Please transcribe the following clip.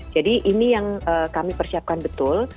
jadi ini yang kami persiapkan betul